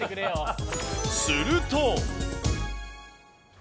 すると！